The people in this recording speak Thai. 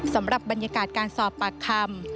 สำหรับบรรยากาศการสอบปากคำ